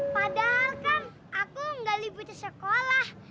padahal kan aku nggak liput di sekolah